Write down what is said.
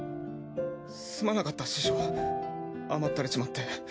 すまなかった師匠甘ったれちまって。